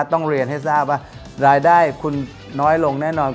ต้องเรียนให้ทราบว่ารายได้คุณน้อยลงแน่นอน